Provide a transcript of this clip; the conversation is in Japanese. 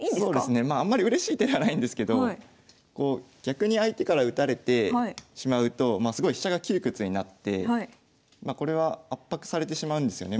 まああんまりうれしい手ではないんですけど逆に相手から打たれてしまうとすごい飛車が窮屈になってこれは圧迫されてしまうんですよね。